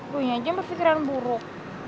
gue aja yang berpikiran buruk